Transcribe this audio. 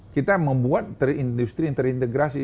kita membuat industri yang terintegrasi